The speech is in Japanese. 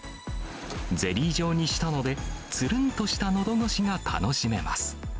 ゼリー状にしたので、つるんとしたのどごしが楽しめます。